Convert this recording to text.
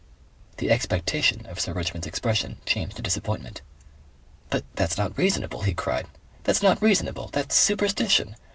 The expectation of Sir Richmond's expression changed to disappointment. "But that's not reasonable," he cried. "That's not reasonable. That's superstition.